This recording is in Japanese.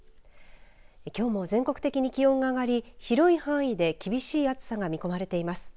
きょうも全国的に気温が上がり広い範囲で厳しい暑さが見込まれています。